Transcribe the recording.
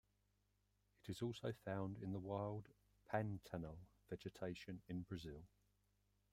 It is also found in the wild Pantanal vegetation in Brazil.